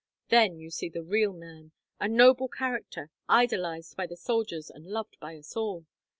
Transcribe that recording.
Then you see the real man; a noble character, idolized by the soldiers and loved by us all.